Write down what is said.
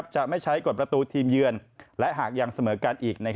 จะไม่ใช้กฎประตูทีมเยือนและหากยังเสมอกันอีก